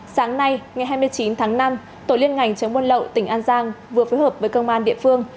sáng nay ngày hai mươi chín tháng năm tổ liên ngành chống buôn lậu tỉnh an giang vừa phối hợp với công an địa phương